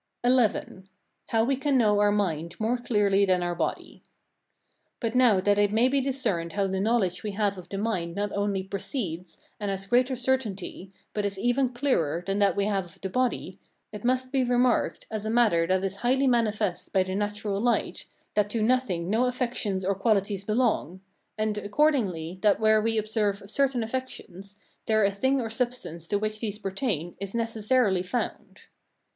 XI. How we can know our mind more clearly than our body. But now that it may be discerned how the knowledge we have of the mind not only precedes, and has greater certainty, but is even clearer, than that we have of the body, it must be remarked, as a matter that is highly manifest by the natural light, that to nothing no affections or qualities belong; and, accordingly, that where we observe certain affections, there a thing or substance to which these pertain, is necessarily found.